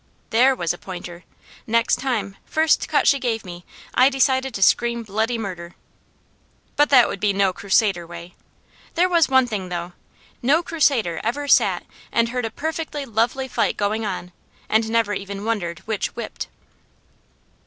There was a pointer. Next time, first cut she gave me, I decided to scream bloody murder. But that would be no Crusader way. There was one thing though. No Crusader ever sat and heard a perfectly lovely fight going on, and never even wondered which whipped.